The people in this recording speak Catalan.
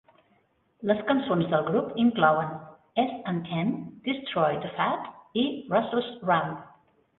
Les cançons del grup inclouen "S and M", "Destroy The Fad" i "Russell's Ramp".